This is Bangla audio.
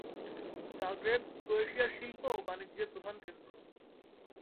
জাগরেব ক্রোয়েশিয়ার শিল্প ও বাণিজ্যের প্রধান কেন্দ্র।